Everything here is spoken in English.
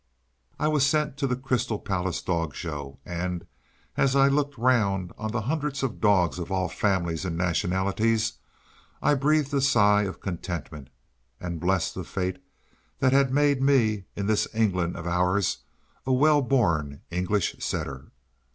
I was sent to the Crystal Palace Dog Show; and, as I looked round on the hundreds of dogs of all families and nationalities, I breathed a sigh of contentment, and blessed the fate that had made me, in this England of ours, a well born English setter.